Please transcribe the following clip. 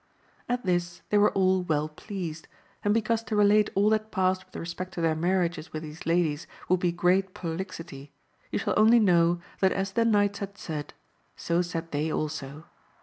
At this they were all well pleased, and because to relate all that passed with respect to their marriages with these ladies would be great prolixity, you shall only know that as the knights had said, so said they also.